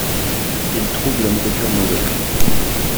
Ils trouvent la nourriture mauvaise.